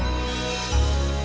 bang harus kuatan dekat